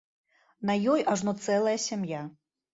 На ёй ажно цэлая сям'я.